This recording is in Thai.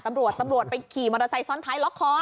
ตำรวจไปขี่มอเตอร์ไซด์ซ้อนท้ายล๊อคคอ